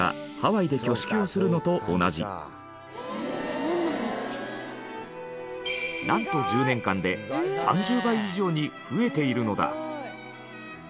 これはなんと１０年間で３０倍以上に増えているのだ。